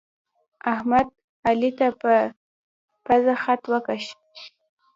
احمد، علي ته په پزه خط وکيښ.